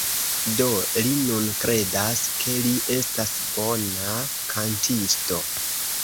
Do, li nun kredas, ke li estas bona kantisto